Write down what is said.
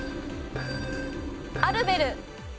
アル・ベル。